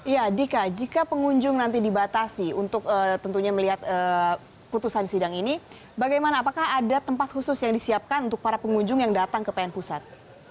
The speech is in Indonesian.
ya dika jika pengunjung nanti dibatasi untuk tentunya melihat putusan sidang ini bagaimana apakah ada tempat khusus yang disiapkan untuk para pengunjung yang datang ke pn pusat